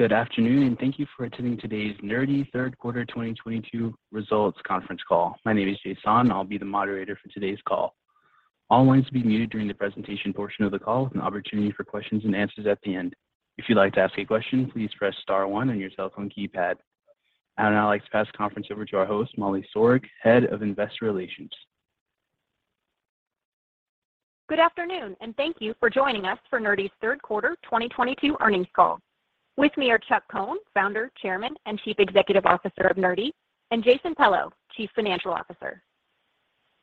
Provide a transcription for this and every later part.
Good afternoon, and thank you for attending today's Nerdy third quarter 2022 results conference call. My name is Jason. I'll be the moderator for today's call. All lines will be muted during the presentation portion of the call with an opportunity for questions and answers at the end. If you'd like to ask a question, please press star one on your cell phone keypad. I'd now like to pass the conference over to our host, Molly Sorg, Head of Investor Relations. Good afternoon, and thank you for joining us for Nerdy's third quarter 2022 earnings call. With me are Chuck Cohn, Founder, Chairman, and Chief Executive Officer of Nerdy, and Jason Pello, Chief Financial Officer.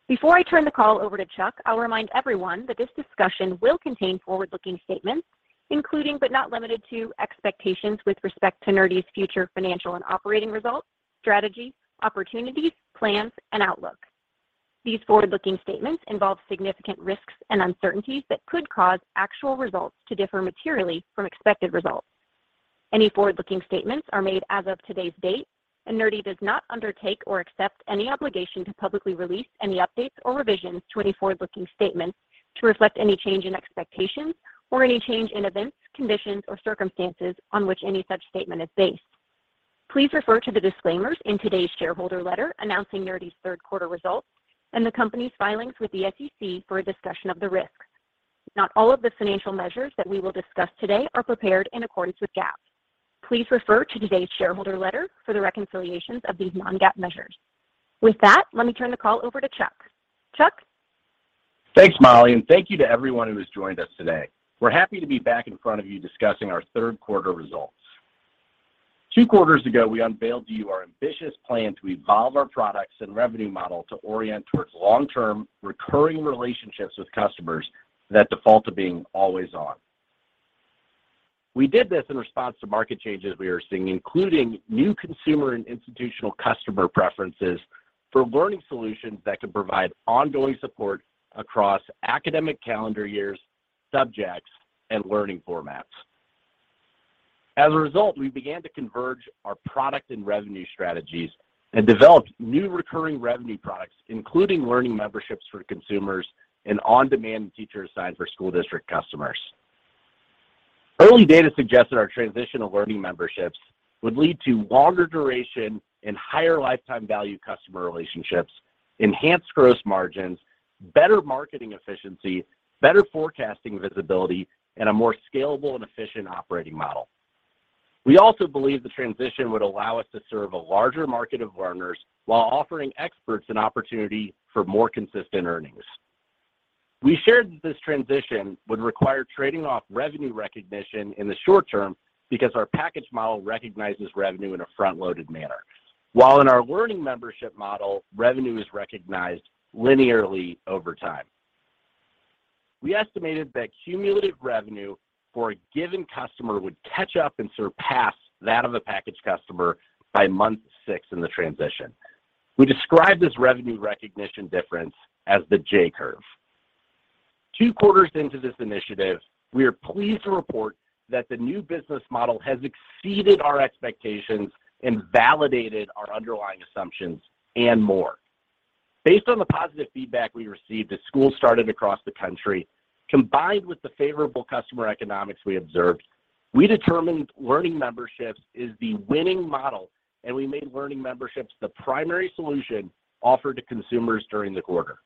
Before I turn the call over to Chuck, I'll remind everyone that this discussion will contain forward-looking statements including, but not limited to, expectations with respect to Nerdy's future financial and operating results, strategy, opportunities, plans, and outlook. These forward-looking statements involve significant risks and uncertainties that could cause actual results to differ materially from expected results. Any forward-looking statements are made as of today's date, and Nerdy does not undertake or accept any obligation to publicly release any updates or revisions to any forward-looking statements to reflect any change in expectations or any change in events, conditions, or circumstances on which any such statement is based. Please refer to the disclaimers in today's shareholder letter announcing Nerdy's third quarter results and the company's filings with the SEC for a discussion of the risks. Not all of the financial measures that we will discuss today are prepared in accordance with GAAP. Please refer to today's shareholder letter for the reconciliations of these non-GAAP measures. With that, let me turn the call over to Chuck. Chuck? Thanks, Molly, and thank you to everyone who has joined us today. We're happy to be back in front of you discussing our third quarter results. Two quarters ago, we unveiled to you our ambitious plan to evolve our products and revenue model to orient towards long-term recurring relationships with customers that default to being always on. We did this in response to market changes we were seeing, including new consumer and institutional customer preferences for learning solutions that could provide ongoing support across academic calendar years, subjects, and learning formats. As a result, we began to converge our product and revenue strategies and developed new recurring revenue products, including Learning Memberships for consumers and On Demand, Teacher Assigned for school district customers. Early data suggested our transition to Learning Memberships would lead to longer duration and higher lifetime value customer relationships, enhanced gross margins, better marketing efficiency, better forecasting visibility, and a more scalable and efficient operating model. We also believe the transition would allow us to serve a larger market of learners while offering experts an opportunity for more consistent earnings. We shared that this transition would require trading off revenue recognition in the short term because our package model recognizes revenue in a front-loaded manner. While in our Learning Memberships model, revenue is recognized linearly over time. We estimated that cumulative revenue for a given customer would catch up and surpass that of a package customer by month six in the transition. We described this revenue recognition difference as the J-curve. Two quarters into this initiative, we are pleased to report that the new business model has exceeded our expectations and validated our underlying assumptions and more. Based on the positive feedback we received as schools started across the country, combined with the favorable customer economics we observed, we determined Learning Memberships is the winning model, and we made Learning Memberships the primary solution offered to consumers during the quarter.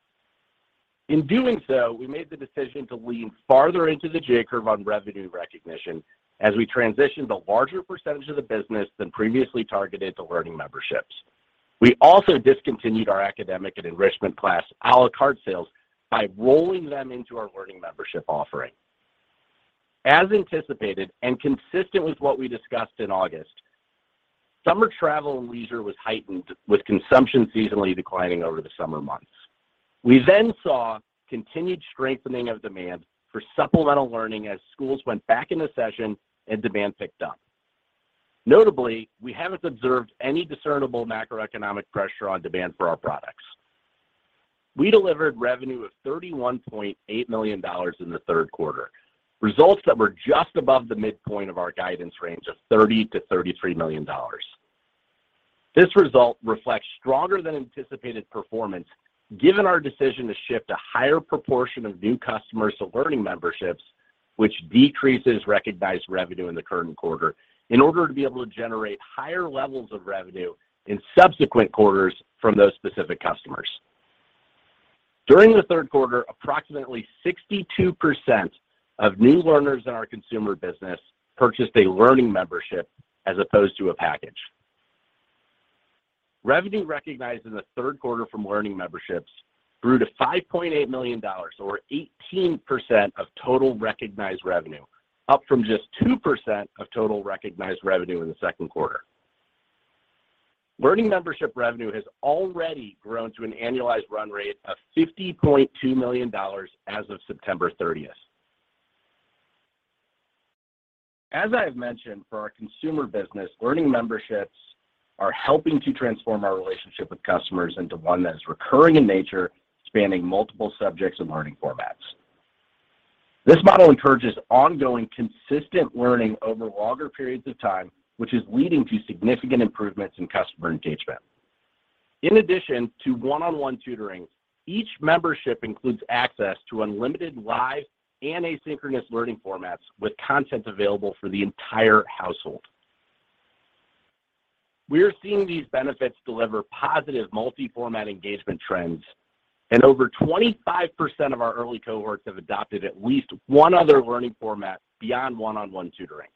In doing so, we made the decision to lean farther into the J-curve on revenue recognition as we transitioned a larger percentage of the business than previously targeted to Learning Memberships. We also discontinued our academic and enrichment class, à la carte sales, by rolling them into our Learning Membership offering. As anticipated and consistent with what we discussed in August, summer travel and leisure was heightened, with consumption seasonally declining over the summer months. We saw continued strengthening of demand for supplemental learning as schools went back into session and demand picked up. Notably, we haven't observed any discernible macroeconomic pressure on demand for our products. We delivered revenue of $31.8 million in the third quarter, results that were just above the midpoint of our guidance range of $30-$33 million. This result reflects stronger than anticipated performance given our decision to shift a higher proportion of new customers to Learning Memberships, which decreases recognized revenue in the current quarter in order to be able to generate higher levels of revenue in subsequent quarters from those specific customers. During the third quarter, approximately 62% of new learners in our consumer business purchased a Learning Membership as opposed to a package. Revenue recognized in the third quarter from Learning Memberships grew to $5.8 million, or 18% of total recognized revenue, up from just 2% of total recognized revenue in the second quarter. Learning Memberships revenue has already grown to an annualized run rate of $50.2 million as of September 30th. As I have mentioned, for our consumer business, Learning Memberships are helping to transform our relationship with customers into one that is recurring in nature, spanning multiple subjects and learning formats. This model encourages ongoing, consistent learning over longer periods of time, which is leading to significant improvements in customer engagement. In addition to one-on-one tutoring, each membership includes access to unlimited live and asynchronous learning formats with content available for the entire household. We are seeing these benefits deliver positive multi-format engagement trends, and over 25% of our early cohorts have adopted at least one other learning format beyond one-on-one tutoring.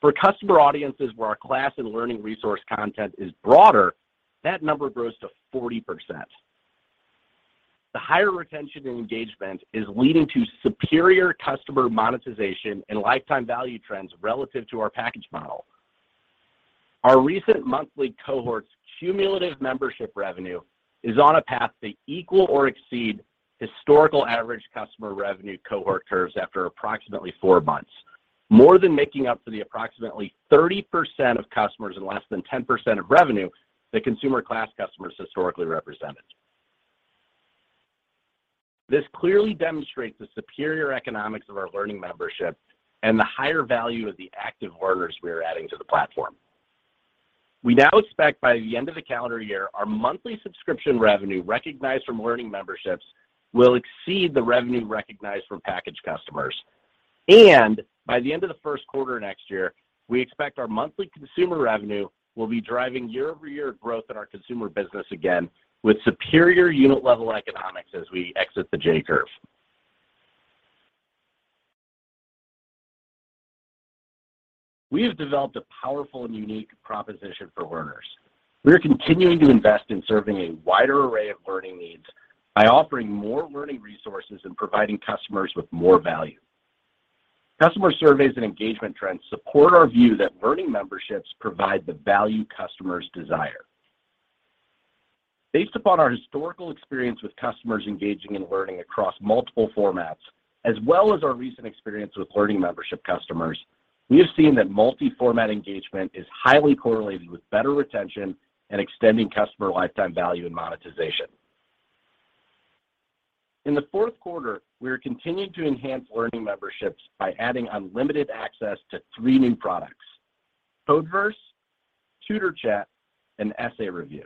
For customer audiences where our class and learning resource content is broader, that number grows to 40%. The higher retention and engagement is leading to superior customer monetization and lifetime value trends relative to our package model. Our recent monthly cohort's cumulative membership revenue is on a path to equal or exceed historical average customer revenue cohort curves after approximately four months, more than making up for the approximately 30% of customers and less than 10% of revenue that consumer class customers historically represented. This clearly demonstrates the superior economics of our Learning Membership and the higher value of the active learners we are adding to the platform. We now expect by the end of the calendar year, our monthly subscription revenue recognized from Learning Memberships will exceed the revenue recognized from package customers. By the end of the first quarter next year, we expect our monthly consumer revenue will be driving year-over-year growth in our consumer business again with superior unit level economics as we exit the J-curve. We have developed a powerful and unique proposition for learners. We are continuing to invest in serving a wider array of learning needs by offering more learning resources and providing customers with more value. Customer surveys and engagement trends support our view that Learning Memberships provide the value customers desire. Based upon our historical experience with customers engaging in learning across multiple formats, as well as our recent experience with Learning Membership customers, we have seen that multi-format engagement is highly correlated with better retention and extending customer lifetime value and monetization. In the fourth quarter, we are continuing to enhance Learning Memberships by adding unlimited access to three new products, Codeverse, Tutor Chat, and Essay Review.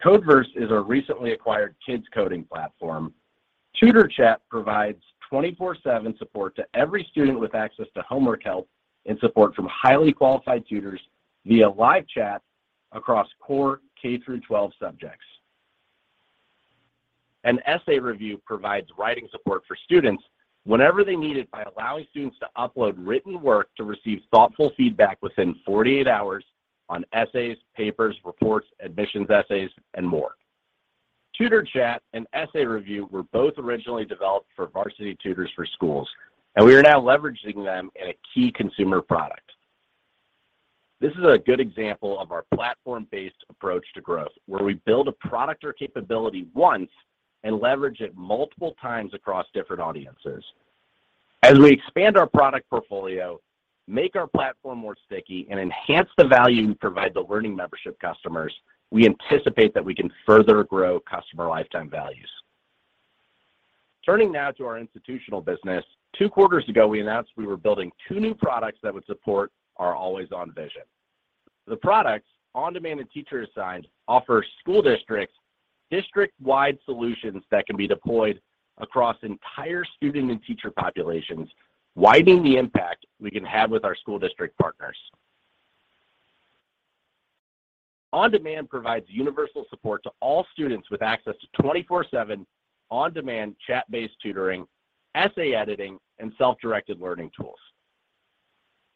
Codeverse is our recently acquired kids coding platform. Tutor Chat provides 24/7 support to every student with access to homework help and support from highly qualified tutors via live chat across core K through 12 subjects. Essay Review provides writing support for students whenever they need it by allowing students to upload written work to receive thoughtful feedback within 48 hours on essays, papers, reports, admissions essays, and more. Tutor Chat and Essay Review were both originally developed for Varsity Tutors for Schools, and we are now leveraging them in a key consumer product. This is a good example of our platform-based approach to growth, where we build a product or capability once and leverage it multiple times across different audiences. As we expand our product portfolio, make our platform more sticky, and enhance the value we provide the Learning Membership customers, we anticipate that we can further grow customer lifetime values. Turning now to our institutional business, two quarters ago, we announced we were building two new products that would support our always-on vision. The products, On Demand and Teacher Assigned, offer school districts district-wide solutions that can be deployed across entire student and teacher populations, widening the impact we can have with our school district partners. On Demand provides universal support to all students with access to 24/7 on-demand chat-based tutoring, essay editing, and self-directed learning tools.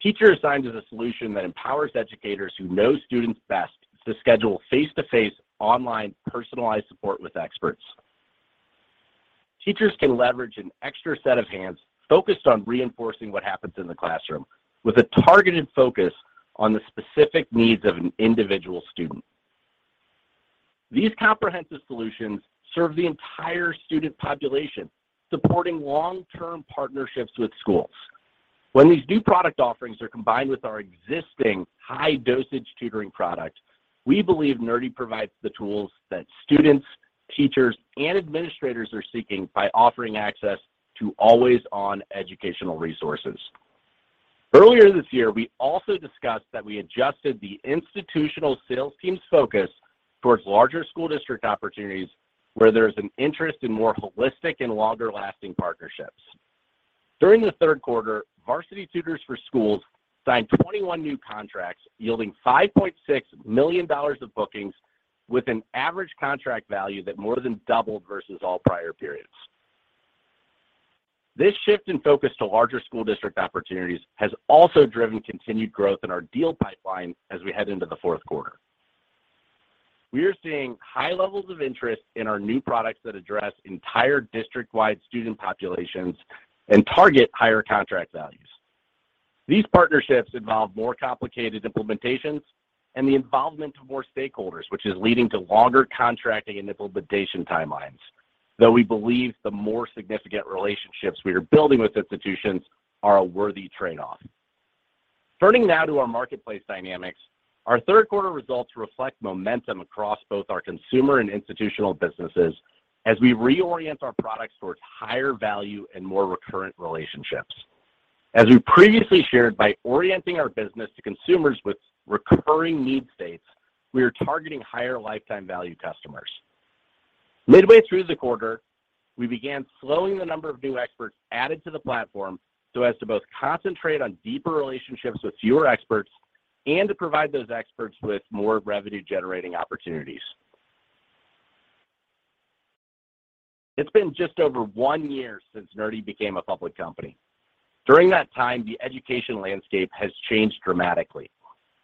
Teacher Assigned is a solution that empowers educators who know students best to schedule face-to-face, online, personalized support with experts. Teachers can leverage an extra set of hands focused on reinforcing what happens in the classroom with a targeted focus on the specific needs of an individual student. These comprehensive solutions serve the entire student population, supporting long-term partnerships with schools. When these new product offerings are combined with our existing high-dosage tutoring product, we believe Nerdy provides the tools that students, teachers, and administrators are seeking by offering access to always-on educational resources. Earlier this year, we also discussed that we adjusted the institutional sales team's focus towards larger school district opportunities where there is an interest in more holistic and longer-lasting partnerships. During the third quarter, Varsity Tutors for Schools signed 21 new contracts yielding $5.6 million of bookings with an average contract value that more than doubled versus all prior periods. This shift in focus to larger school district opportunities has also driven continued growth in our deal pipeline as we head into the fourth quarter. We are seeing high levels of interest in our new products that address entire district-wide student populations and target higher contract values. These partnerships involve more complicated implementations and the involvement of more stakeholders, which is leading to longer contracting and implementation timelines, though we believe the more significant relationships we are building with institutions are a worthy trade-off. Turning now to our marketplace dynamics, our third quarter results reflect momentum across both our consumer and institutional businesses as we reorient our products towards higher value and more recurrent relationships. As we previously shared, by orienting our business to consumers with recurring need states, we are targeting higher lifetime value customers. Midway through the quarter, we began slowing the number of new experts added to the platform so as to both concentrate on deeper relationships with fewer experts and to provide those experts with more revenue-generating opportunities. It's been just over one year since Nerdy became a public company. During that time, the education landscape has changed dramatically.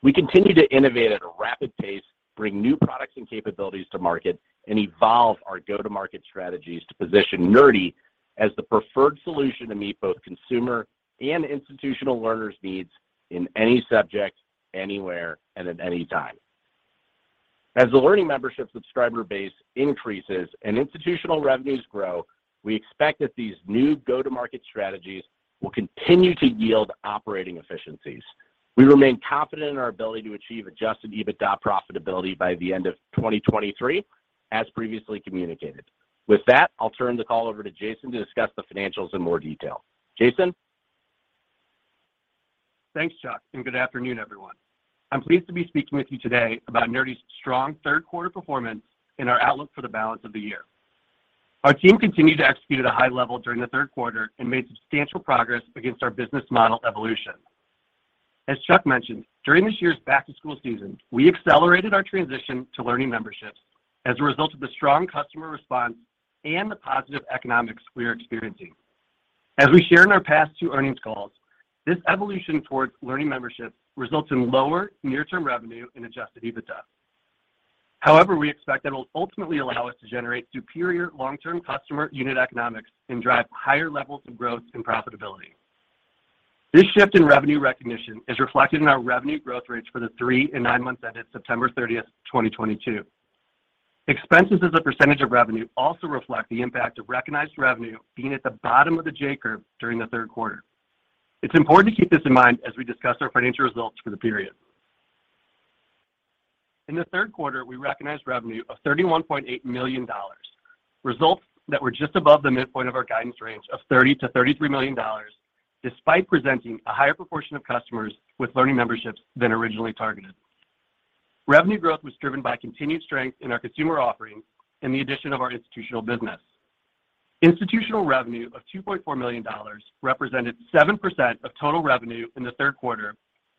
We continue to innovate at a rapid pace, bring new products and capabilities to market, and evolve our go-to-market strategies to position Nerdy as the preferred solution to meet both consumer and institutional learners' needs in any subject, anywhere, and at any time. As the Learning Membership subscriber base increases and institutional revenues grow, we expect that these new go-to-market strategies will continue to yield operating efficiencies. We remain confident in our ability to achieve adjusted EBITDA profitability by the end of 2023, as previously communicated. With that, I'll turn the call over to Jason to discuss the financials in more detail. Jason? Thanks, Chuck, and good afternoon, everyone. I'm pleased to be speaking with you today about Nerdy's strong third quarter performance and our outlook for the balance of the year. Our team continued to execute at a high level during the third quarter and made substantial progress against our business model evolution. As Chuck mentioned, during this year's back-to-school season, we accelerated our transition to learning memberships as a result of the strong customer response and the positive economics we are experiencing. As we shared in our past two earnings calls, this evolution towards learning memberships results in lower near-term revenue and adjusted EBITDA. However, we expect that it'll ultimately allow us to generate superior long-term customer unit economics and drive higher levels of growth and profitability. This shift in revenue recognition is reflected in our revenue growth rates for the 3 and 9 months ended September 30, 2022. Expenses as a percentage of revenue also reflect the impact of recognized revenue being at the bottom of the J-curve during the third quarter. It's important to keep this in mind as we discuss our financial results for the period. In the third quarter, we recognized revenue of $31.8 million, results that were just above the midpoint of our guidance range of $30-$33 million, despite presenting a higher proportion of customers with Learning Memberships than originally targeted. Revenue growth was driven by continued strength in our consumer offerings and the addition of our institutional business. Institutional revenue of $2.4 million represented 7% of total revenue in the third quarter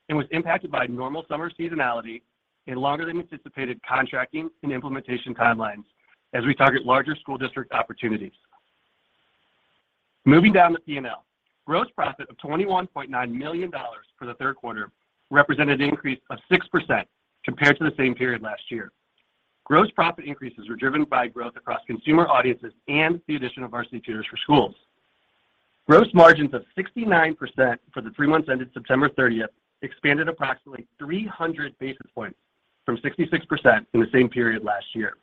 and was impacted by normal summer seasonality and longer than anticipated contracting and implementation timelines as we target larger school district opportunities. Moving down the P&L. Gross profit of $21.9 million for the third quarter represented an increase of 6% compared to the same period last year. Gross profit increases were driven by growth across consumer audiences and the addition of Varsity Tutors for Schools. Gross margins of 69% for the three months ended September 30th expanded approximately 300 basis points from 66% in the same period last year.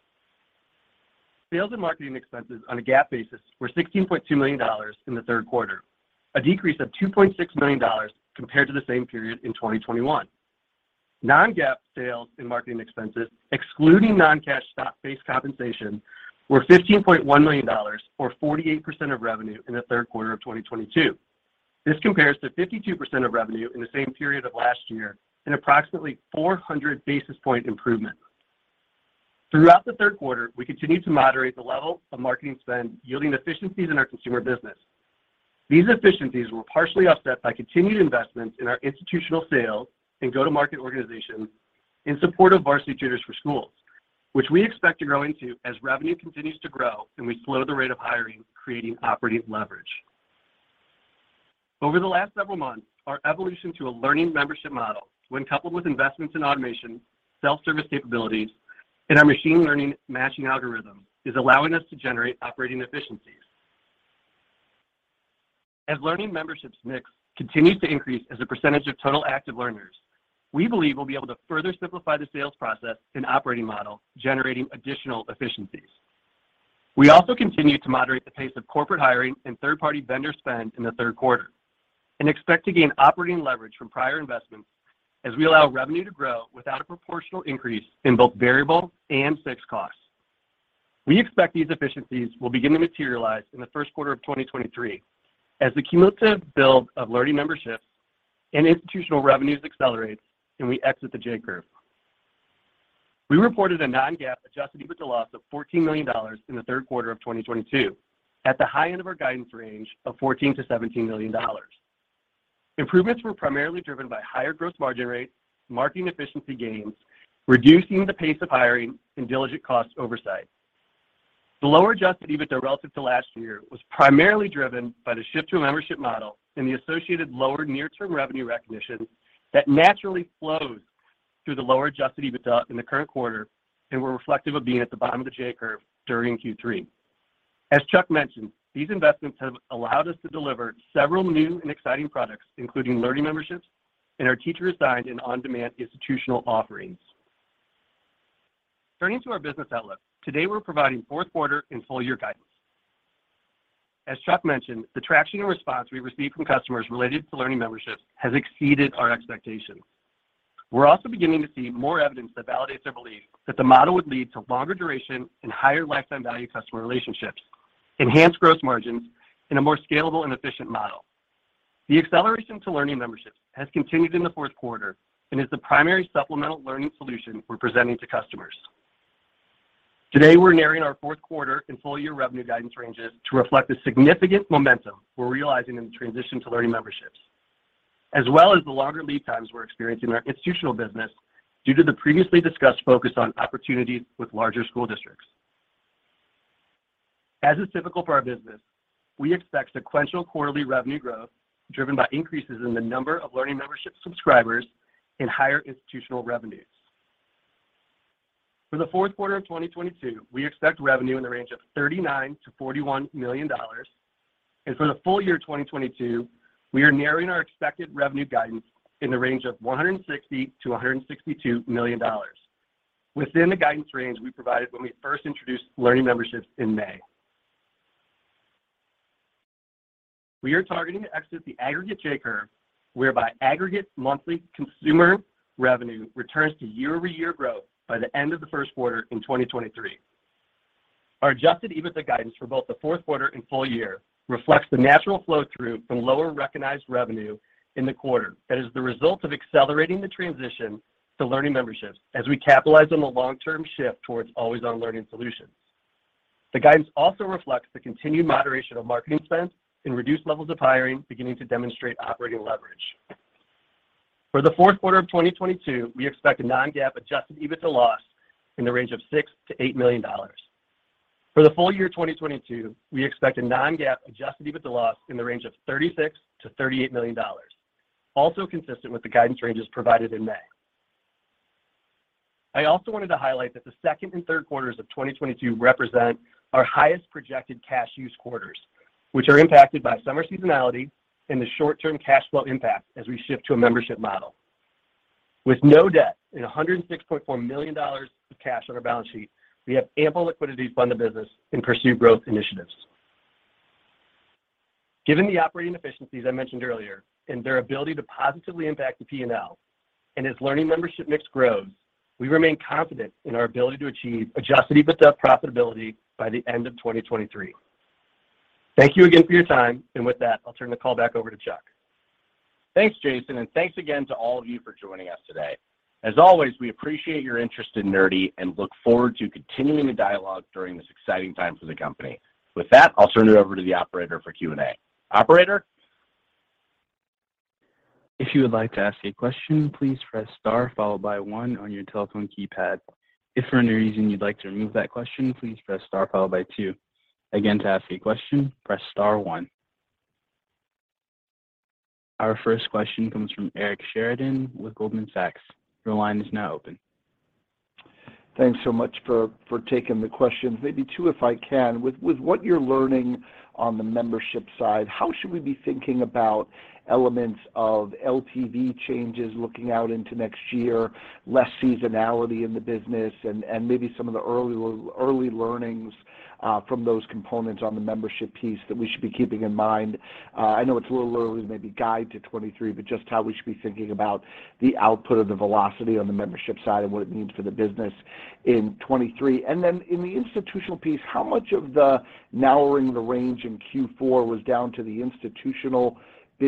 Sales and marketing expenses on a GAAP basis were $16.2 million in the third quarter, a decrease of $2.6 million compared to the same period in 2021. Non-GAAP sales and marketing expenses, excluding non-cash stock-based compensation, were $15.1 million or 48% of revenue in the third quarter of 2022. This compares to 52% of revenue in the same period of last year and approximately 400 basis point improvement. Throughout the third quarter, we continued to moderate the level of marketing spend, yielding efficiencies in our consumer business. These efficiencies were partially offset by continued investments in our institutional sales and go-to-market organization in support of Varsity Tutors for Schools, which we expect to grow into as revenue continues to grow and we slow the rate of hiring, creating operating leverage. Over the last several months, our evolution to a learning membership model, when coupled with investments in automation, self-service capabilities, and our machine learning matching algorithm, is allowing us to generate operating efficiencies. As learning memberships mix continues to increase as a percentage of total active learners, we believe we'll be able to further simplify the sales process and operating model, generating additional efficiencies. We also continue to moderate the pace of corporate hiring and third-party vendor spend in the third quarter and expect to gain operating leverage from prior investments as we allow revenue to grow without a proportional increase in both variable and fixed costs. We expect these efficiencies will begin to materialize in the first quarter of 2023 as the cumulative build of learning memberships and institutional revenues accelerate and we exit the J-curve. We reported a non-GAAP adjusted EBITDA loss of $14 million in the third quarter of 2022 at the high end of our guidance range of $14 million-$17 million. Improvements were primarily driven by higher gross margin rates, marketing efficiency gains, reducing the pace of hiring, and diligent cost oversight. The lower adjusted EBITDA relative to last year was primarily driven by the shift to a membership model and the associated lower near-term revenue recognition that naturally flows through the lower adjusted EBITDA in the current quarter and were reflective of being at the bottom of the J-curve during Q3. As Chuck mentioned, these investments have allowed us to deliver several new and exciting products, including Learning Memberships and our Teacher Assigned and On Demand institutional offerings. Turning to our business outlook, today we're providing fourth quarter and full year guidance. As Chuck mentioned, the traction and response we received from customers related to Learning Memberships has exceeded our expectations. We're also beginning to see more evidence that validates our belief that the model would lead to longer duration and higher lifetime value customer relationships, enhanced gross margins, and a more scalable and efficient model. The acceleration to Learning Memberships has continued in the fourth quarter and is the primary supplemental learning solution we're presenting to customers. Today, we're narrowing our fourth quarter and full year revenue guidance ranges to reflect the significant momentum we're realizing in the transition to Learning Memberships, as well as the longer lead times we're experiencing in our institutional business due to the previously discussed focus on opportunities with larger school districts. As is typical for our business, we expect sequential quarterly revenue growth driven by increases in the number of Learning Memberships subscribers and higher institutional revenues. For the fourth quarter of 2022, we expect revenue in the range of $39 million-$41 million. For the full year 2022, we are narrowing our expected revenue guidance in the range of $160 million-$162 million within the guidance range we provided when we first introduced Learning Memberships in May. We are targeting to exit the aggregate J-curve whereby aggregate monthly consumer revenue returns to year-over-year growth by the end of the first quarter in 2023. Our adjusted EBITDA guidance for both the fourth quarter and full year reflects the natural flow-through from lower recognized revenue in the quarter that is the result of accelerating the transition to Learning Memberships as we capitalize on the long-term shift towards always-on learning solutions. The guidance also reflects the continued moderation of marketing spend and reduced levels of hiring beginning to demonstrate operating leverage. For the fourth quarter of 2022, we expect a non-GAAP adjusted EBITDA loss in the range of $6 million-$8 million. For the full year 2022, we expect a non-GAAP adjusted EBITDA loss in the range of $36 million-$38 million, also consistent with the guidance ranges provided in May. I also wanted to highlight that the second and third quarters of 2022 represent our highest projected cash use quarters, which are impacted by summer seasonality and the short-term cash flow impact as we shift to a membership model. With no debt and $106.4 million of cash on our balance sheet, we have ample liquidity to fund the business and pursue growth initiatives. Given the operating efficiencies I mentioned earlier and their ability to positively impact the P&L, and as learning membership mix grows, we remain confident in our ability to achieve adjusted EBITDA profitability by the end of 2023. Thank you again for your time. With that, I'll turn the call back over to Chuck. Thanks, Jason, and thanks again to all of you for joining us today. As always, we appreciate your interest in Nerdy and look forward to continuing the dialogue during this exciting time for the company. With that, I'll turn it over to the operator for Q&A. Operator? If you would like to ask a question, please press star followed by one on your telephone keypad. If for any reason you'd like to remove that question, please press star followed by two. Again, to ask a question, press star one. Our first question comes from Eric Sheridan with Goldman Sachs. Your line is now open. Thanks so much for taking the questions. Maybe two if I can. With what you're learning on the membership side, how should we be thinking about elements of LTV changes looking out into next year, less seasonality in the business, and maybe some of the early learnings from those components on the membership piece that we should be keeping in mind? I know it's a little early to maybe guide to 2023, but just how we should be thinking about the output of the velocity on the membership side and what it means for the business in 2023. In the institutional piece, how much of the narrowing the range in Q4 was down to the institutional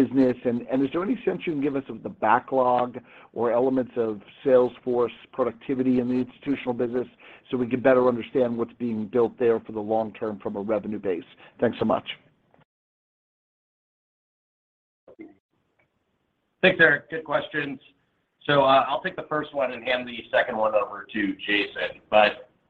business? Is there any sense you can give us of the backlog or elements of sales force productivity in the institutional business so we can better understand what's being built there for the long term from a revenue base? Thanks so much. Thanks, Eric. Good questions. I'll take the first one and hand the second one over to Jason.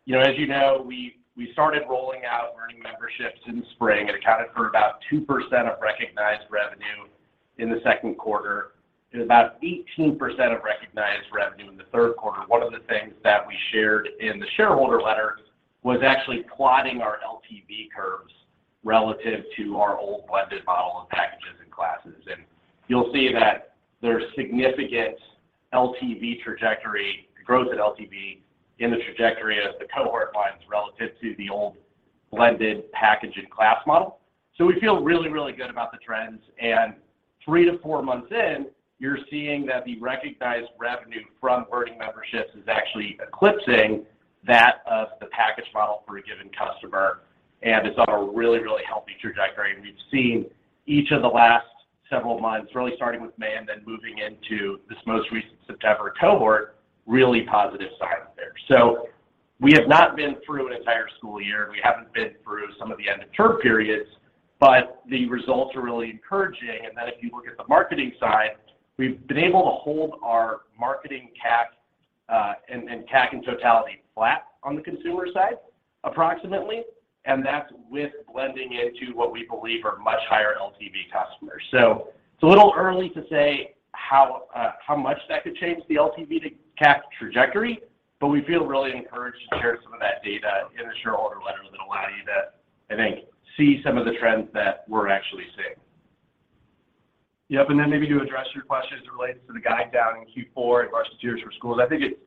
You know, as you know, we started rolling out Learning Memberships in spring. It accounted for about 2% of recognized revenue in the second quarter and about 18% of recognized revenue in the third quarter. One of the things that we shared in the shareholder letter was actually plotting our LTV curves relative to our old blended model of packages and classes. You'll see that there's significant LTV trajectory growth at LTV in the trajectory of the cohort curves relative to the old blended package and class model. We feel really, really good about the trends. Three to 4 months in, you're seeing that the recognized revenue from Learning Memberships is actually eclipsing that of the package model for a given customer and is on a really, really healthy trajectory. We've seen each of the last several months, really starting with May and then moving into this most recent September cohort, really positive signs there. We have not been through an entire school year, and we haven't been through some of the end of term periods, but the results are really encouraging. Then if you look at the marketing side, we've been able to hold our marketing CAC and CAC in totality flat on the consumer side approximately, and that's with blending into what we believe are much higher LTV customers. It's a little early to say how much that could change the LTV to CAC trajectory, but we feel really encouraged to share some of that data in the shareholder letter that allow you to, I think, see some of the trends that we're actually seeing. Yep. Maybe to address your questions related to the guide down in Q4 and larger tiers for schools. I think it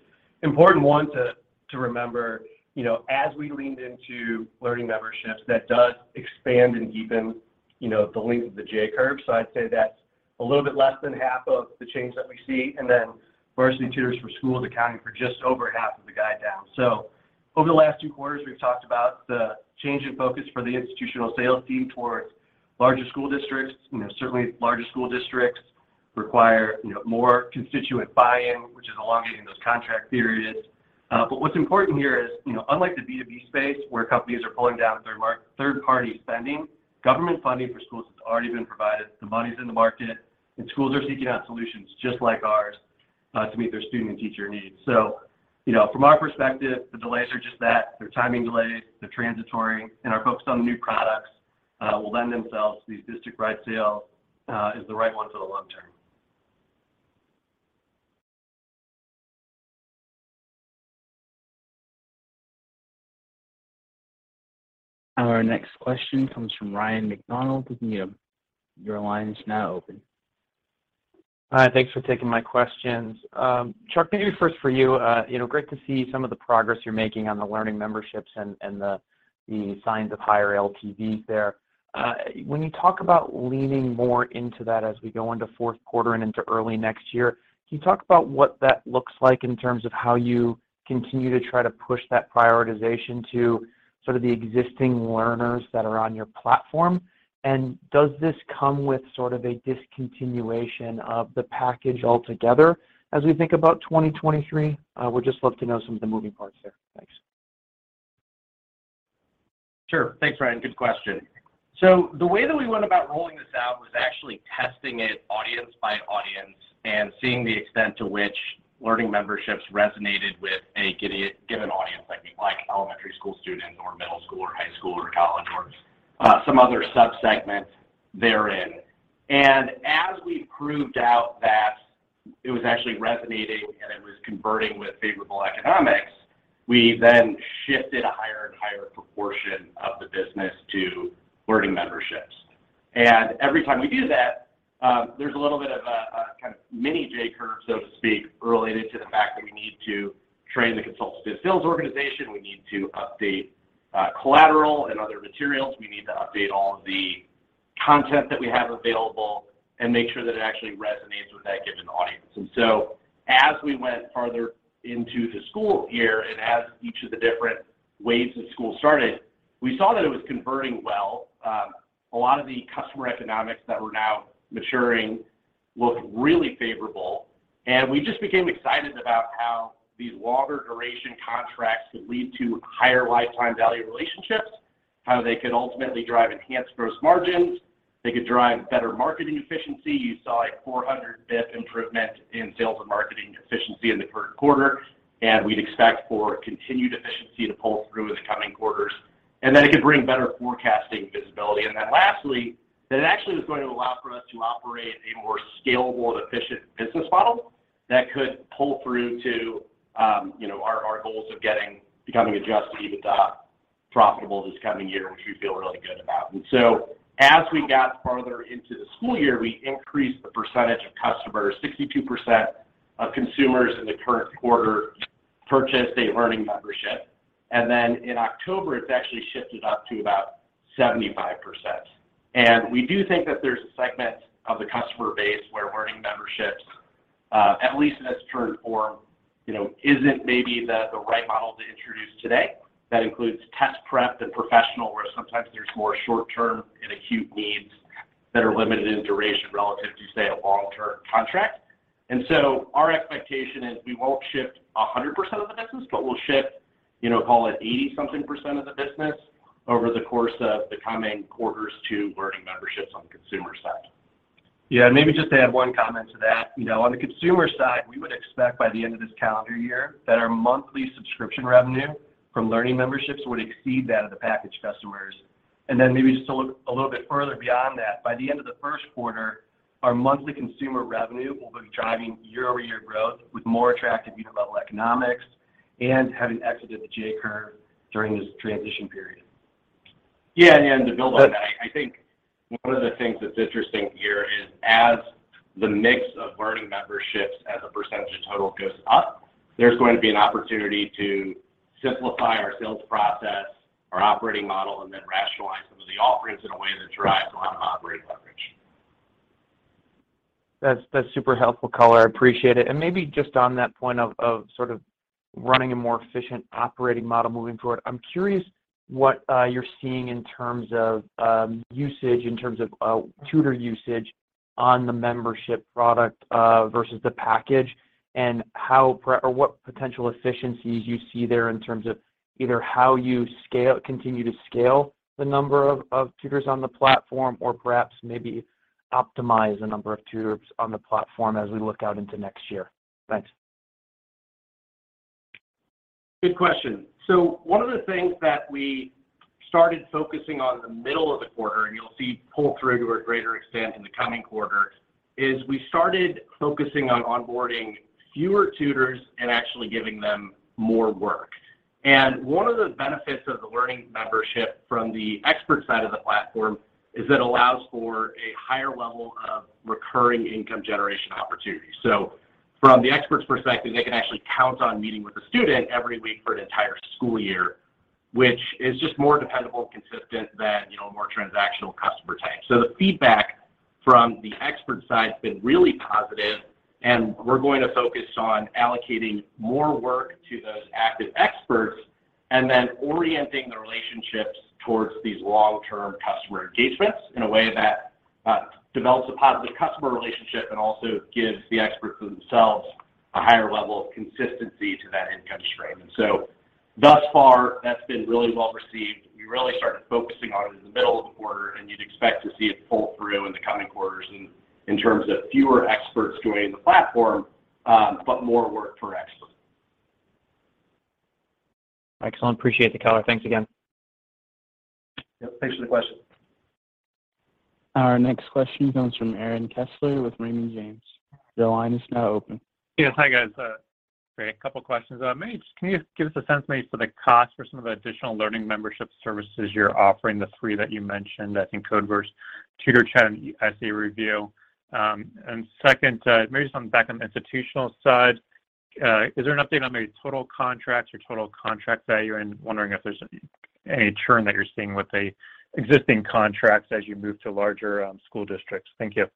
Important one to remember, you know, as we leaned into Learning Memberships, that does expand and deepen, you know, the length of the J-curve. I'd say that's a little bit less than half of the change that we see. Varsity Tutors for Schools accounting for just over half of the guide down. Over the last two quarters, we've talked about the change in focus for the institutional sales team towards larger school districts. You know, certainly larger school districts require, you know, more constituent buy-in, which is elongating those contract periods. But what's important here is, you know, unlike the B2B space where companies are pulling down third-party spending, government funding for schools has already been provided. The money's in the market, and schools are seeking out solutions just like ours, to meet their student and teacher needs. You know, from our perspective, the delays are just that. They're timing delays, they're transitory, and our focus on new products will lend themselves to these district-wide sales is the right one for the long term. Our next question comes from Ryan MacDonald with Needham. Your line is now open. Hi. Thanks for taking my questions. Chuck, maybe first for you. You know, great to see some of the progress you're making on the Learning Memberships and the signs of higher LTV there. When you talk about leaning more into that as we go into fourth quarter and into early next year, can you talk about what that looks like in terms of how you continue to try to push that prioritization to sort of the existing learners that are on your platform? Does this come with sort of a discontinuation of the package altogether as we think about 2023? Would just love to know some of the moving parts there. Thanks. Sure. Thanks, Ryan. Good question. The way that we went about rolling this out was actually testing it audience by audience and seeing the extent to which Learning Memberships resonated with a given audience, like me, like elementary school students or middle school or high school or college or some other sub-segment therein. As we proved out that it was actually resonating, and it was converting with favorable economics, we then shifted a higher and higher proportion of the business to Learning Memberships. Every time we do that, there's a little bit of a kind of mini J-curve, so to speak, related to the fact that we need to train the consultative sales organization. We need to update collateral and other materials. We need to update all of the content that we have available and make sure that it actually resonates with that given audience. As we went farther into the school year and as each of the different waves of school started, we saw that it was converting well. A lot of the customer economics that were now maturing looked really favorable, and we just became excited about how these longer duration contracts could lead to higher lifetime value relationships, how they could ultimately drive enhanced gross margins. They could drive better marketing efficiency. You saw a 400 bps improvement in sales and marketing efficiency in the current quarter, and we'd expect for continued efficiency to pull through in the coming quarters. It could bring better forecasting visibility. Lastly, that it actually was going to allow for us to operate a more scalable and efficient business model that could pull through to, you know, our goals of becoming adjusted EBITDA profitable this coming year, which we feel really good about. As we got farther into the school year, we increased the percentage of customers. 62% of consumers in the current quarter purchased a Learning Membership. In October, it's actually shifted up to about 75%. We do think that there's a segment of the customer base where Learning Memberships, at least in its current form, you know, isn't maybe the right model to introduce today. That includes test prep and professional, where sometimes there's more short term and acute needs that are limited in duration relative to, say, a long-term contract. Our expectation is we won't shift 100% of the business, but we'll shift, you know, call it 80-something% of the business over the course of the coming quarters to Learning Memberships on the consumer side. Yeah, maybe just to add one comment to that. You know, on the consumer side, we would expect by the end of this calendar year that our monthly subscription revenue from Learning Memberships would exceed that of the package customers. Then maybe just to look a little bit further beyond that, by the end of the first quarter, our monthly consumer revenue will be driving year-over-year growth with more attractive unit level economics and having exited the J-curve during this transition period. Yeah. To build on that, I think one of the things that's interesting here is as the mix of Learning Memberships as a percentage of total goes up, there's going to be an opportunity to simplify our sales process, our operating model, and then rationalize some of the offerings in a way that drives a lot of operating leverage. That's super helpful color. I appreciate it. Maybe just on that point of sort of running a more efficient operating model moving forward, I'm curious what you're seeing in terms of usage, in terms of tutor usage on the membership product versus the package and how or what potential efficiencies you see there in terms of either how you continue to scale the number of tutors on the platform or perhaps maybe optimize the number of tutors on the platform as we look out into next year. Thanks. Good question. One of the things that we started focusing on in the middle of the quarter, and you'll see pull through to a greater extent in the coming quarter, is we started focusing on onboarding fewer tutors and actually giving them more work. One of the benefits of the Learning Memberships from the expert side of the platform is it allows for a higher level of recurring income generation opportunities. From the expert's perspective, they can actually count on meeting with a student every week for an entire school year, which is just more dependable, consistent than, you know, a more transactional customer type. The feedback from the expert side has been really positive, and we're going to focus on allocating more work to those active experts and then orienting the relationships towards these long-term customer engagements in a way that develops a positive customer relationship and also gives the experts themselves a higher level of consistency to that income stream. Thus far, that's been really well-received. We really started focusing on it in the middle of the quarter, and you'd expect to see it pull through in the coming quarters in terms of fewer experts joining the platform, but more work per expert. Excellent. Appreciate the color. Thanks again. Yep, thanks for the question. Our next question comes from Aaron Kessler with Raymond James. Your line is now open. Yeah. Hi, guys. Great. A couple questions. Maybe just can you give us a sense maybe for the cost for some of the additional learning membership services you're offering, the three that you mentioned, I think Codeverse, Tutor Chat, and Essay Review. And second, maybe something back on the institutional side. Is there an update on maybe total contracts or total contract value? Wondering if there's any churn that you're seeing with the existing contracts as you move to larger school districts. Thank you.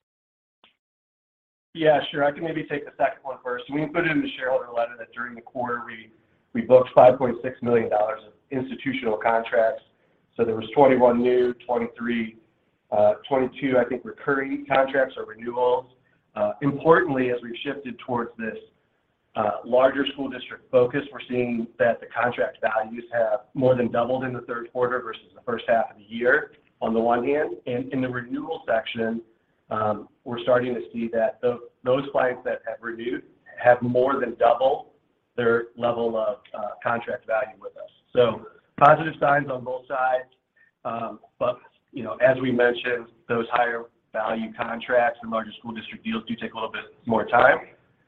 Yeah, sure. I can maybe take the second one first. We included in the shareholder letter that during the quarter we booked $5.6 million of institutional contracts. There was 22, I think, recurring contracts or renewals. Importantly, as we've shifted towards this larger school district focus, we're seeing that the contract values have more than doubled in the third quarter versus the first half of the year on the one hand. In the renewal section, we're starting to see that those clients that have renewed have more than doubled their level of contract value with us. Positive signs on both sides. You know, as we mentioned, those higher value contracts and larger school district deals do take a little bit more time.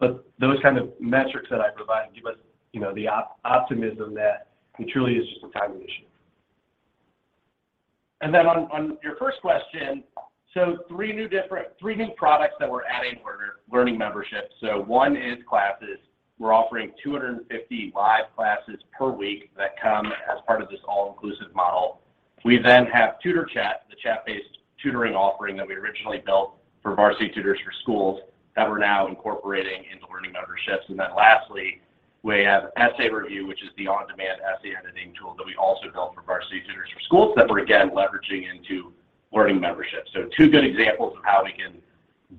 Those kind of metrics that I provided give us, you know, the optimism that it truly is just a timing issue. Then on your first question, three new products that we're adding for our Learning Memberships. One is classes. We're offering 250 live classes per week that come as part of this all-inclusive model. We then have Tutor Chat, the chat-based tutoring offering that we originally built for Varsity Tutors for Schools that we're now incorporating into Learning Memberships. Then lastly, we have Essay Review, which is the on-demand essay editing tool that we also built for Varsity Tutors for Schools that we're again leveraging into Learning Memberships. Two good examples of how we can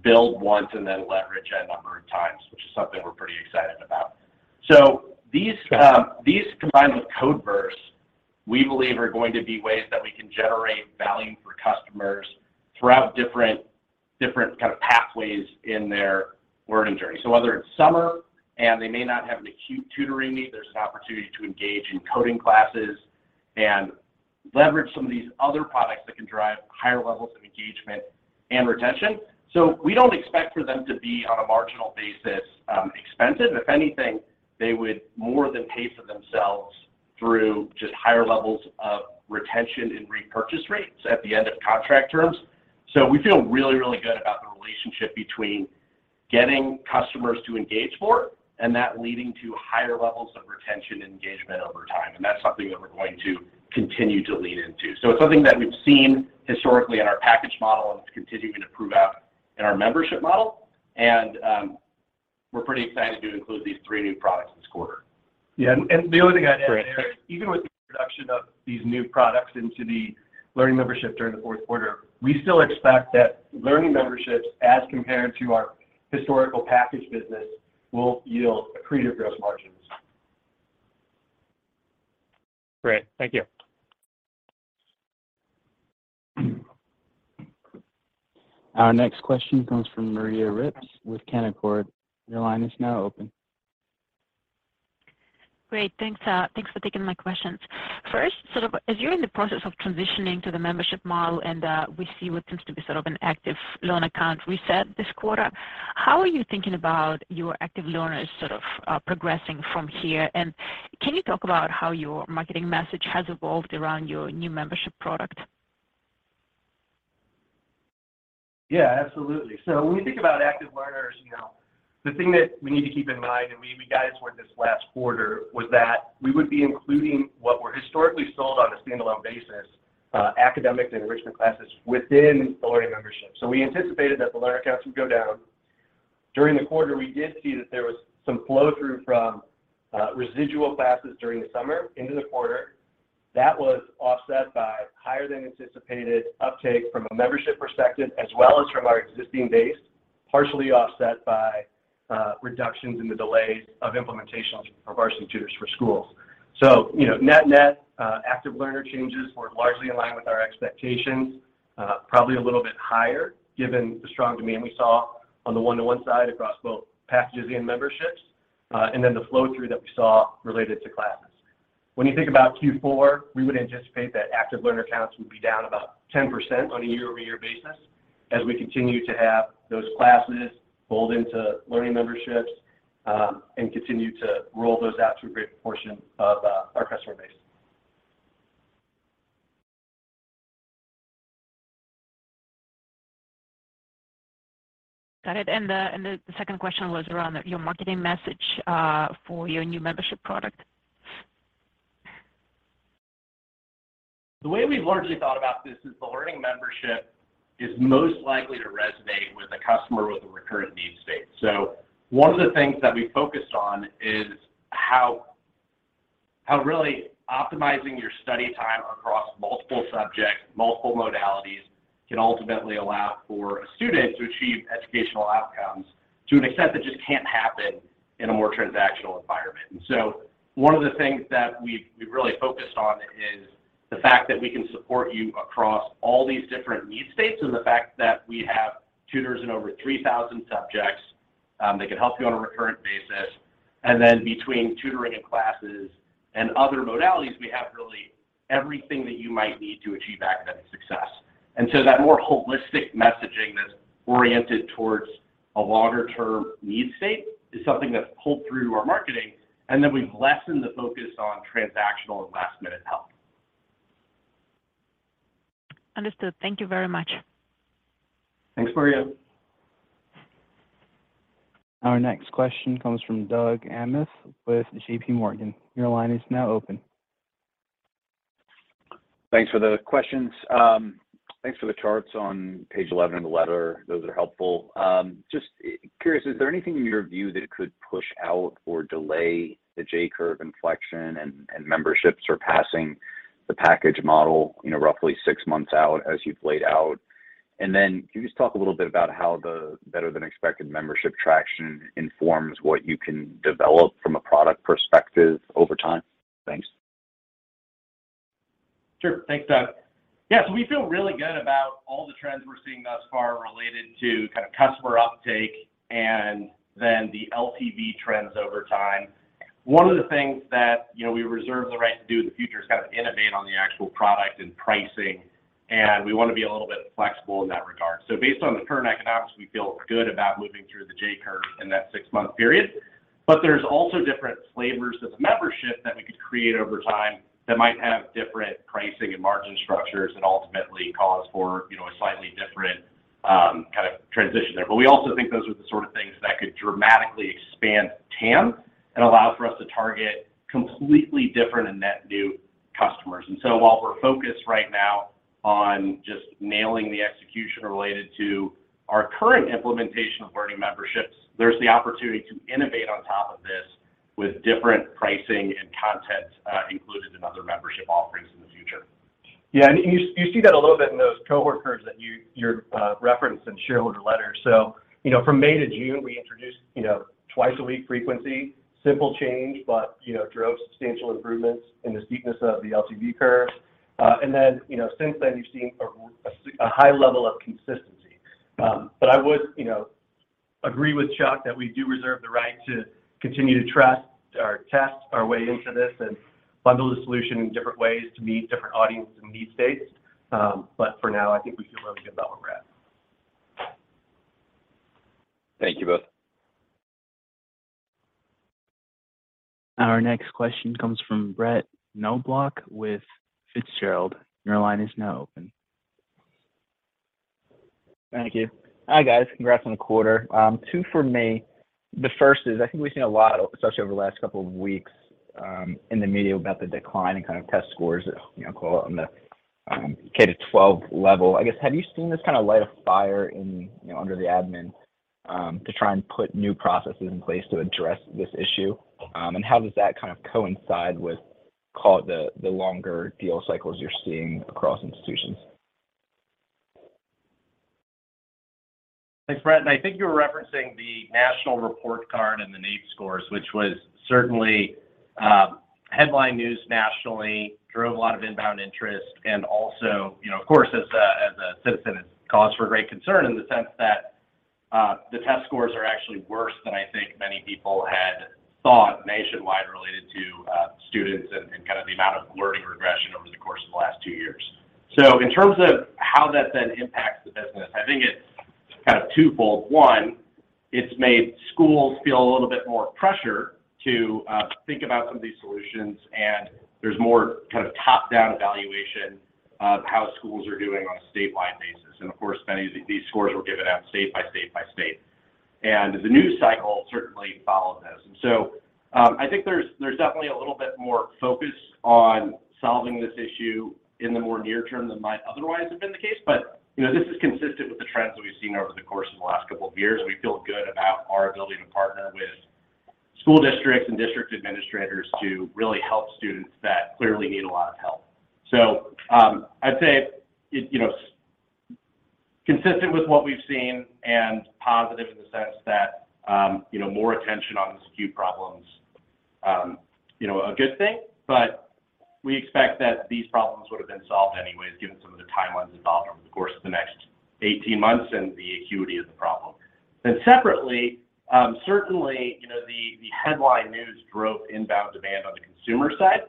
build once and then leverage a number of times, which is something we're pretty excited about. These combined with Codeverse, we believe are going to be ways that we can generate value for customers throughout different kind of pathways in their learning journey. Whether it's summer and they may not have an acute tutoring need, there's an opportunity to engage in coding classes and leverage some of these other products that can drive higher levels of engagement and retention. We don't expect for them to be on a marginal basis, expensive. If anything, they would more than pay for themselves through just higher levels of retention and repurchase rates at the end of contract terms. We feel really good about the relationship between getting customers to engage more and that leading to higher levels of retention and engagement over time. That's something that we're going to continue to lean into. It's something that we've seen historically in our package model, and it's continuing to prove out in our membership model. We're pretty excited to include these three new products this quarter. The other thing I'd add, Aaron, even with the introduction of these new products into the Learning Membership during the fourth quarter, we still expect that Learning Memberships as compared to our historical package business will yield accretive growth margins. Great. Thank you. Our next question comes from Maria Ripps with Canaccord. Your line is now open. Great. Thanks for taking my questions. First, sort of as you're in the process of transitioning to the membership model and we see what seems to be sort of an active learner account reset this quarter, how are you thinking about your active learners sort of progressing from here? And can you talk about how your marketing message has evolved around your new membership product? Yeah, absolutely. When we think about active learners, you know, the thing that we need to keep in mind, and we guided toward this last quarter, was that we would be including what were historically sold on a standalone basis, academic and enrichment classes within the learning membership. We anticipated that the learner counts would go down. During the quarter, we did see that there was some flow-through from, residual classes during the summer into the quarter. That was offset by higher than anticipated uptake from a membership perspective as well as from our existing base, partially offset by, reductions in the delays of implementation of Varsity Tutors for Schools. Net-net, active learner changes were largely in line with our expectations, probably a little bit higher given the strong demand we saw on the one-to-one side across both packages and memberships, and then the flow-through that we saw related to classes. When you think about Q4, we would anticipate that active learner counts would be down about 10% on a year-over-year basis. As we continue to have those classes fold into learning memberships, and continue to roll those out to a great portion of our customer base. Got it. The second question was around your marketing message for your new membership product. The way we've largely thought about this is the Learning Membership is most likely to resonate with a customer with a recurrent need state. One of the things that we focused on is how really optimizing your study time across multiple subjects, multiple modalities can ultimately allow for a student to achieve educational outcomes to an extent that just can't happen in a more transactional environment. One of the things that we've really focused on is the fact that we can support you across all these different need states, and the fact that we have tutors in over 3,000 subjects that can help you on a recurrent basis. Between tutoring and classes and other modalities, we have really everything that you might need to achieve academic success. That more holistic messaging that's oriented towards a longer term need state is something that's pulled through our marketing, and then we've lessened the focus on transactional and last-minute help. Understood. Thank you very much. Thanks, Maria. Our next question comes from Doug Anmuth with JPMorgan. Your line is now open. Thanks for the questions. Thanks for the charts on page 11 of the letter. Those are helpful. Just curious, is there anything in your view that could push out or delay the J-curve inflection and membership surpassing the package model, you know, roughly 6 months out as you've laid out? Can you just talk a little bit about how the better-than-expected membership traction informs what you can develop from a product perspective over time? Thanks. Sure. Thanks, Doug. Yeah, we feel really good about all the trends we're seeing thus far related to kind of customer uptake and then the LTV trends over time. One of the things that, you know, we reserve the right to do in the future is kind of innovate on the actual product and pricing, and we want to be a little bit flexible in that regard. Based on the current economics, we feel good about moving through the J-curve in that six-month period. There's also different flavors of the membership that we could create over time that might have different pricing and margin structures and ultimately cause for, you know, a slightly different, kind of transition there. We also think those are the sort of things that could dramatically expand TAM and allow for us to target completely different and net new customers. While we're focused right now on just nailing the execution related to our current implementation of Learning Memberships, there's the opportunity to innovate on top of this with different pricing and content included in other membership offerings in the future. You see that a little bit in those cohorts that you referenced in shareholder letters. You know, from May to June, we introduced, you know, twice a week frequency. Simple change, but, you know, drove substantial improvements in the steepness of the LTV curve. You know, since then, you've seen a high level of consistency. But I would, you know, agree with Chuck that we do reserve the right to continue to tweak or test our way into this and bundle the solution in different ways to meet different audiences and need states. But for now, I think we feel really good about where we're at. Thank you both. Our next question comes from Brett Knoblauch with Cantor Fitzgerald. Your line is now open. Thank you. Hi, guys. Congrats on the quarter. Two for me. The first is, I think we've seen a lot, especially over the last couple of weeks, in the media about the decline in kind of test scores, you know, call it on the K-12 level. I guess, have you seen this kind of light a fire under the admin to try and put new processes in place to address this issue? How does that kind of coincide with, call it the longer deal cycles you're seeing across institutions? Hey, Brett. I think you were referencing the national report card and the NAEP scores, which was certainly headline news nationally, drove a lot of inbound interest, and also, you know, of course, as a citizen, it's cause for great concern in the sense that the test scores are actually worse than I think many people had thought nationwide related to students and kind of the amount of learning regression over the course of the last two years. In terms of how that then impacts the business, I think it's kind of twofold. One, it's made schools feel a little bit more pressure to think about some of these solutions, and there's more kind of top-down evaluation of how schools are doing on a statewide basis. Of course, many of these scores were given out state by state. The news cycle certainly followed this. I think there's definitely a little bit more focus on solving this issue in the more near term than might otherwise have been the case. You know, this is consistent with the trends that we've seen over the course of the last couple of years, and we feel good about our ability to partner with school districts and district administrators to really help students that clearly need a lot of help. I'd say it, you know, consistent with what we've seen and positive in the sense that, you know, more attention on these acute problems, you know, a good thing. We expect that these problems would have been solved anyways, given some of the timelines involved over the course of the next 18 months and the acuity of the problem. Separately, certainly, you know, the headline news drove inbound demand on the consumer side.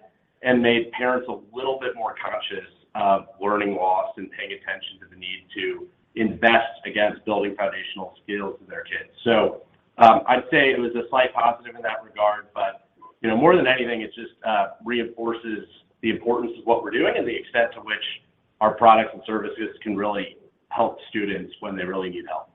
And made parents a little bit more conscious of learning loss and paying attention to the need to invest against building foundational skills in their kids. I'd say it was a slight positive in that regard, but you know, more than anything, it just reinforces the importance of what we're doing and the extent to which our products and services can really help students when they really need help.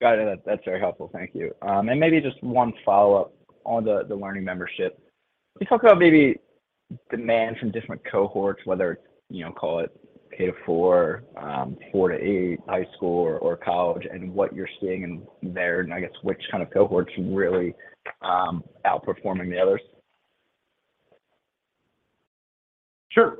Got it. That's very helpful. Thank you. Maybe just one follow-up on the Learning Membership. Can you talk about maybe demand from different cohorts, whether it's, you know, call it K-4, 4-8, high school or college, and what you're seeing in there, and I guess which kind of cohorts are really outperforming the others? Sure.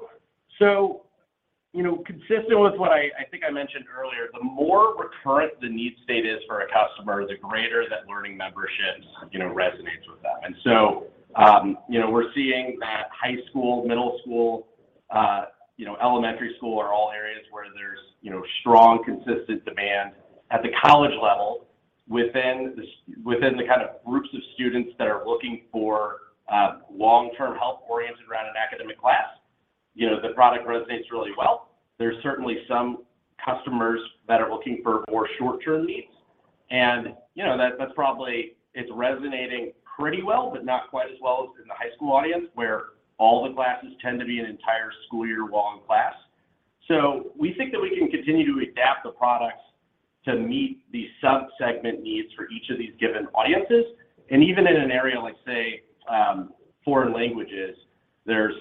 You know, consistent with what I think I mentioned earlier, the more recurrent the need state is for a customer, the greater that Learning Memberships resonates with them. We're seeing that high school, middle school, elementary school are all areas where there's strong, consistent demand. At the college level, within the kind of groups of students that are looking for long-term help oriented around an academic class, the product resonates really well. There's certainly some customers that are looking for more short-term needs. You know, that's probably. It's resonating pretty well, but not quite as well as in the high school audience, where all the classes tend to be an entire school year long class. We think that we can continue to adapt the products to meet the sub-segment needs for each of these given audiences. Even in an area like, say, foreign languages, there's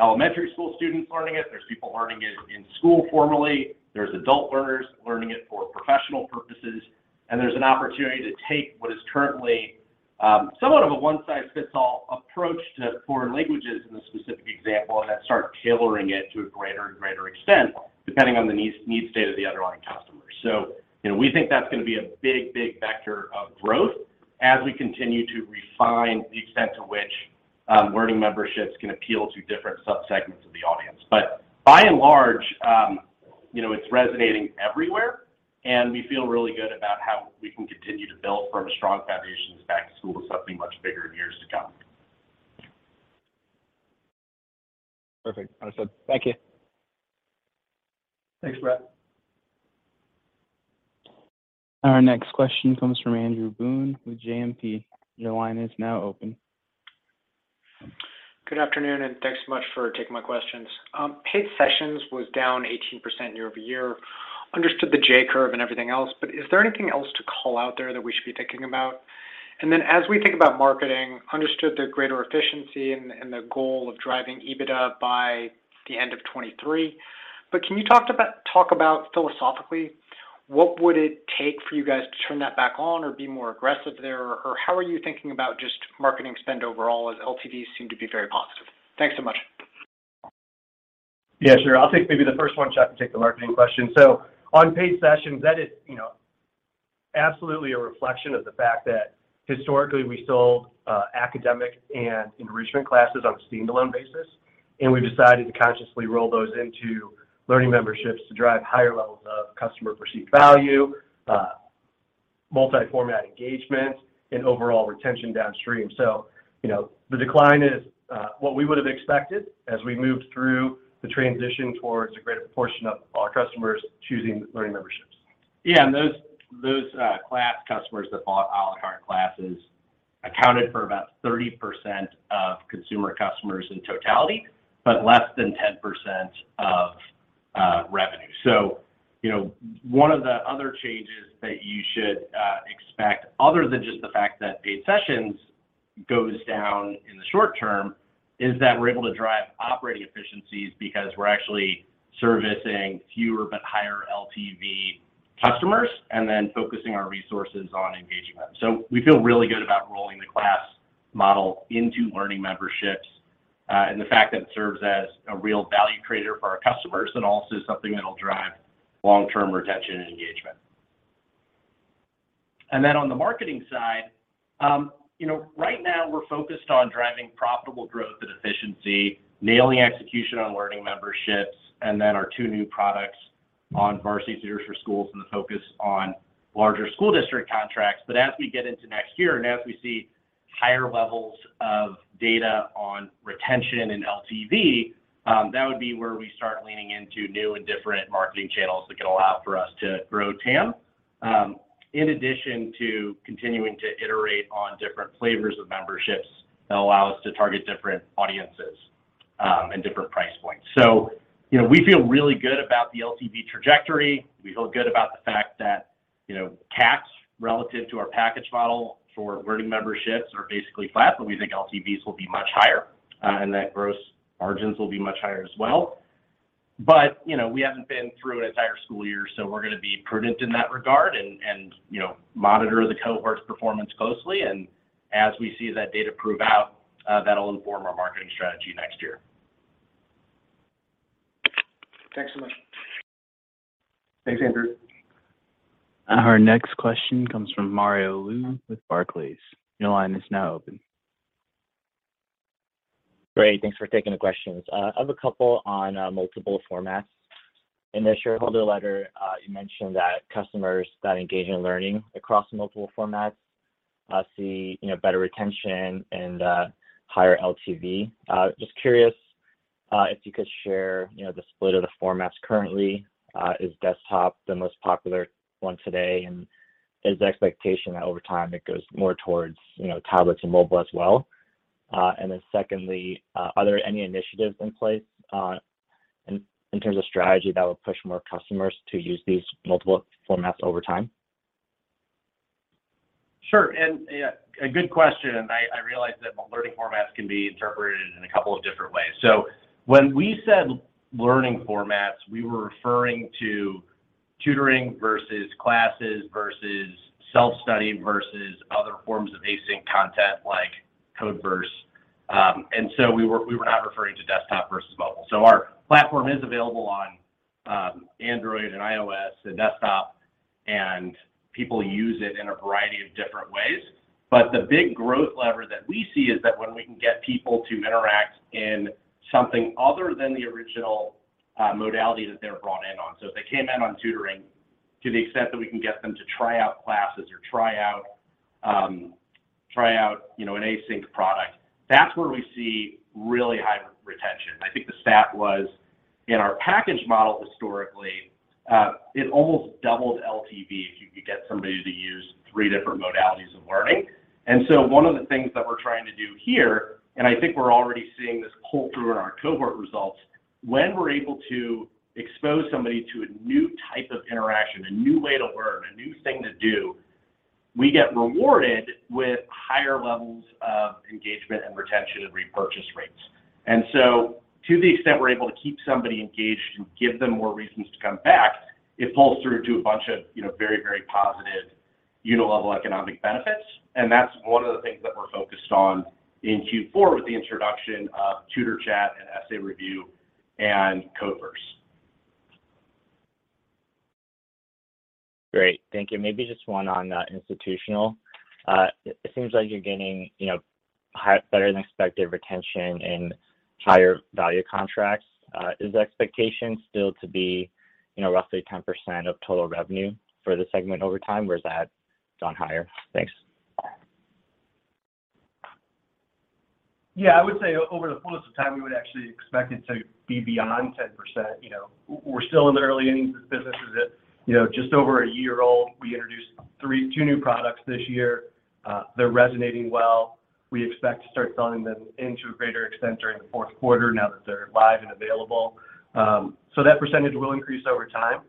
elementary school students learning it. There's people learning it in school formally. There's adult learners learning it for professional purposes. There's an opportunity to take what is currently somewhat of a one-size-fits-all approach to foreign languages in the specific example, and then start tailoring it to a greater and greater extent, depending on the needs state of the underlying customer. You know, we think that's gonna be a big, big vector of growth as we continue to refine the extent to which Learning Memberships can appeal to different sub-segments of the audience. By and large, you know, it's resonating everywhere, and we feel really good about how we can continue to build from a strong foundation this back-to-school to something much bigger in years to come. Perfect. Understood. Thank you. Thanks, Brett. Our next question comes from Andrew Boone with JMP. Your line is now open. Good afternoon, and thanks so much for taking my questions. Paid sessions was down 18% year-over-year. Understood the J-curve and everything else, but is there anything else to call out there that we should be thinking about? As we think about marketing, understood the greater efficiency and the goal of driving EBITDA by the end of 2023, but can you talk about philosophically, what would it take for you guys to turn that back on or be more aggressive there? Or how are you thinking about just marketing spend overall, as LTVs seem to be very positive? Thanks so much. Yeah, sure. I'll take maybe the first one. Chuck Cohn can take the marketing question. On paid sessions, that is, you know, absolutely a reflection of the fact that historically we sold academic and enrichment classes on a standalone basis, and we've decided to consciously roll those into Learning Memberships to drive higher levels of customer perceived value, multi-format engagement and overall retention downstream. You know, the decline is what we would've expected as we moved through the transition towards a greater proportion of our customers choosing Learning Memberships. Yeah. Those class customers that bought a la carte classes accounted for about 30% of consumer customers in totality, but less than 10% of revenue. You know, one of the other changes that you should expect other than just the fact that paid sessions goes down in the short term, is that we're able to drive operating efficiencies because we're actually servicing fewer but higher LTV customers and then focusing our resources on engaging them. We feel really good about rolling the class model into Learning Memberships, and the fact that it serves as a real value creator for our customers and also something that'll drive long-term retention and engagement. Then on the marketing side, you know, right now we're focused on driving profitable growth and efficiency, nailing execution on Learning Memberships, and then our two new products on Varsity Tutors for Schools, and the focus on larger school district contracts. As we get into next year, and as we see higher levels of data on retention and LTV, that would be where we start leaning into new and different marketing channels that can allow for us to grow TAM, in addition to continuing to iterate on different flavors of memberships that allow us to target different audiences, and different price points. You know, we feel really good about the LTV trajectory. We feel good about the fact that, you know, CAC relative to our package model for learning memberships are basically flat, but we think LTVs will be much higher, and that gross margins will be much higher as well. You know, we haven't been through an entire school year, so we're gonna be prudent in that regard and you know, monitor the cohort's performance closely. As we see that data prove out, that'll inform our marketing strategy next year. Thanks so much. Thanks, Andrew. Our next question comes from Mario Lu with Barclays. Your line is now open. Great. Thanks for taking the questions. I have a couple on multiple formats. In the shareholder letter, you mentioned that customers that engage in learning across multiple formats see, you know, better retention and higher LTV. Just curious, if you could share, you know, the split of the formats currently. Is desktop the most popular one today, and is the expectation that over time it goes more towards, you know, tablets and mobile as well? And then secondly, are there any initiatives in place, in terms of strategy that would push more customers to use these multiple formats over time? Sure. Yeah, a good question, and I realize that learning formats can be interpreted in a couple of different ways. When we said learning formats, we were referring to tutoring versus classes versus self-study versus other forms of async content like Codeverse. We were not referring to desktop versus mobile. Our platform is available on Android and iOS and desktop, and people use it in a variety of different ways. The big growth lever that we see is that when we can get people to interact in something other than the original modality that they were brought in on. If they came in on tutoring, to the extent that we can get them to try out classes or try out, you know, an async product, that's where we see really high retention. I think the stat was in our package model historically, it almost doubled LTV if you could get somebody to use three different modalities of learning. One of the things that we're trying to do here, and I think we're already seeing this pull through in our cohort results, when we're able to expose somebody to a new type of interaction, a new way to learn, a new thing to do, we get rewarded with higher levels of engagement and retention and repurchase rates. To the extent we're able to keep somebody engaged and give them more reasons to come back, it pulls through to a bunch of, you know, very, very positive unit-level economic benefits, and that's one of the things that we're focused on in Q4 with the introduction of Tutor Chat and Essay Review and Codeverse. Great. Thank you. Maybe just one on institutional. It seems like you're gaining, you know, better than expected retention and higher value contracts. Is the expectation still to be, you know, roughly 10% of total revenue for the segment over time, or is that gone higher? Thanks. Yeah. I would say over the fullness of time, we would actually expect it to be beyond 10%. You know, we're still in the early innings of this business. It's, you know, just over a year old. We introduced two new products this year. They're resonating well. We expect to start selling them to a greater extent during the fourth quarter now that they're live and available. So that percentage will increase over time,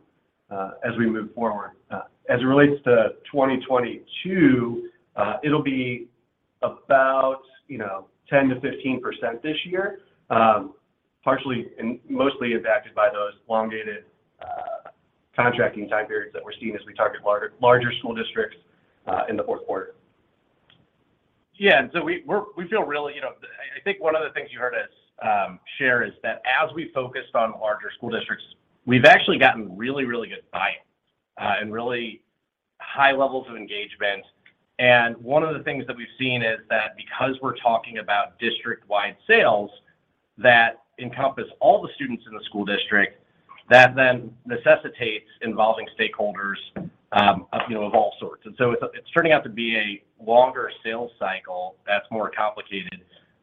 as we move forward. As it relates to 2022, it'll be about, you know, 10%-15% this year, partially and mostly impacted by those elongated contracting time periods that we're seeing as we target larger school districts in the fourth quarter. Yeah. We're feel really, you know. I think one of the things you heard us share is that as we focused on larger school districts, we've actually gotten really good buy-in and really high levels of engagement. One of the things that we've seen is that because we're talking about district-wide sales that encompass all the students in the school district, that then necessitates involving stakeholders, you know, of all sorts. It's turning out to be a longer sales cycle that's more complicated,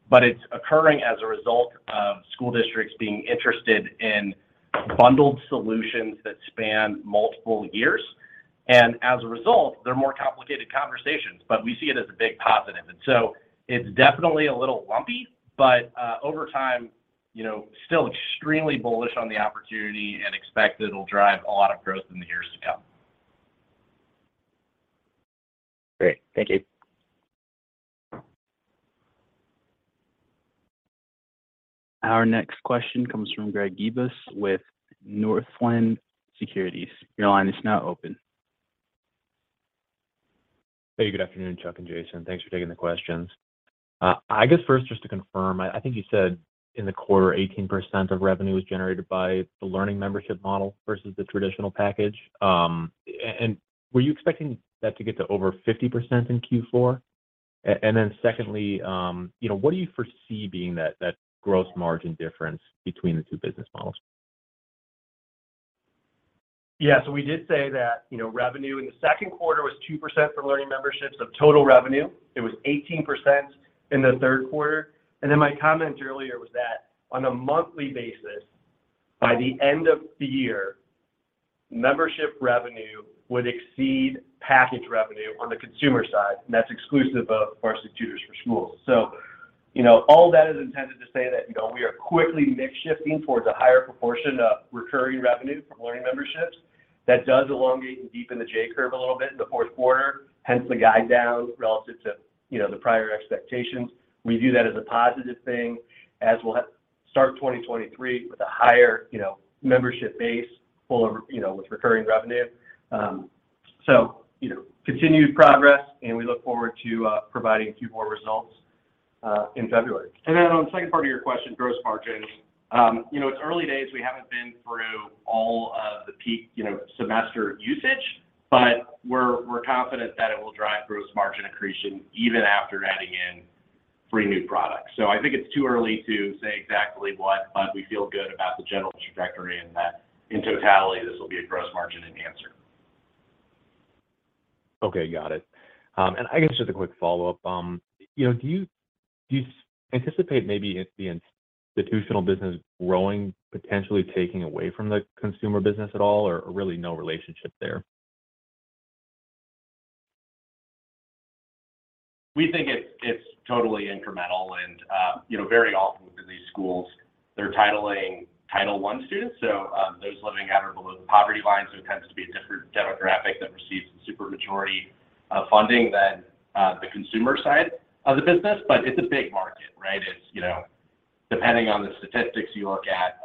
but it's occurring as a result of school districts being interested in bundled solutions that span multiple years. As a result, they're more complicated conversations, but we see it as a big positive. It's definitely a little lumpy, but over time, you know, still extremely bullish on the opportunity and expect it'll drive a lot of growth in the years to come. Great. Thank you. Our next question comes from Greg Gibas with Northland Securities. Your line is now open. Hey, good afternoon, Chuck Cohn and Jason Pello. Thanks for taking the questions. I guess first, just to confirm, I think you said in the quarter, 18% of revenue was generated by the learning membership model versus the traditional package. And were you expecting that to get to over 50% in Q4? And then secondly, you know, what do you foresee being that gross margin difference between the two business models? Yeah. We did say that, you know, revenue in the second quarter was 2% for Learning Memberships of total revenue. It was 18% in the third quarter. My comment earlier was that on a monthly basis, by the end of the year, membership revenue would exceed package revenue on the consumer side, and that's exclusive of Varsity Tutors for Schools. You know, all that is intended to say that, you know, we are quickly mix shifting towards a higher proportion of recurring revenue from Learning Memberships that does elongate and deepen the J-curve a little bit in the fourth quarter, hence the guide down relative to, you know, the prior expectations. We view that as a positive thing as we'll start 2023 with a higher, you know, membership base full of, you know, with recurring revenue. You know, continued progress, and we look forward to providing Q4 results in February. On the second part of your question, gross margin, you know, it's early days. We haven't been through all of the peak, you know, semester usage, but we're confident that it will drive gross margin accretion even after adding in free new products. I think it's too early to say exactly what, but we feel good about the general trajectory and that in totality, this will be a gross margin enhancer. Okay. Got it. I guess just a quick follow-up. You know, do you anticipate maybe it's the institutional business growing, potentially taking away from the consumer business at all, or really no relationship there? We think it's totally incremental and you know, very often within these schools, they're targeting Title I students, so those living at or below the poverty line. It tends to be a different demographic that receives the supermajority of funding than the consumer side of the business. It's a big market, right? It's you know, depending on the statistics you look at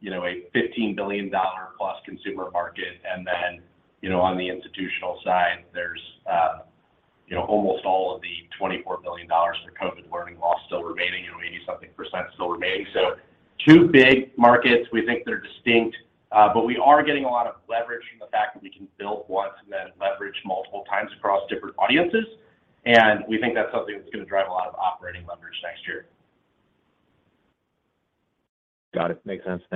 you know, a $15 billion-plus consumer market. Then you know, on the institutional side, there's you know, almost all of the $24 billion for COVID learning loss still remaining, you know, 80-something% still remaining. Two big markets, we think they're distinct, but we are getting a lot of leverage from the fact that we can build once and then leverage multiple times across different audiences. We think that's something that's gonna drive a lot of operating leverage next year. Got it. Makes sense. Thank you.